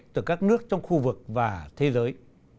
từ các nước trong khu vực và thế giới